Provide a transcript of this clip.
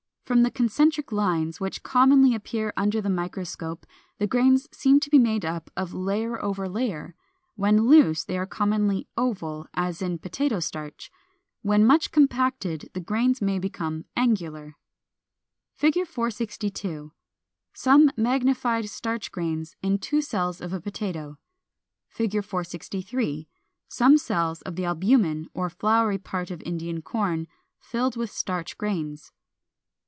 From the concentric lines, which commonly appear under the microscope, the grains seem to be made up of layer over layer. When loose they are commonly oval, as in potato starch (Fig. 462): when much compacted the grains may become angular (Fig. 463). [Illustration: Fig. 462. Some magnified starch grains, in two cells of a potato. 463. Some cells of the albumen or floury part of Indian Corn, filled with starch grains.